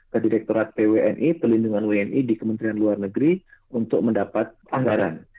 ke direkturat pwni pelindungan wni di kementerian luar negeri untuk mendapat anggaran